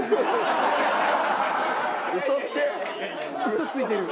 嘘ついてる。